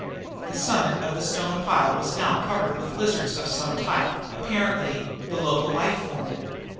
The summit of the stone pile was now covered with lizards of some type, apparently the local life form.